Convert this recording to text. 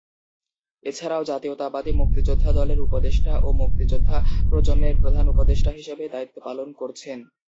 এছাড়াও জাতীয়তাবাদী মুক্তিযোদ্ধা দলের উপদেষ্টা ও মুক্তিযোদ্ধা প্রজন্মের প্রধান উপদেষ্টা হিসেবে দায়িত্ব পালন করছেন।